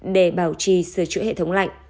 để bảo trì sửa chữa hệ thống lạnh